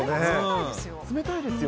風が冷たいですよ。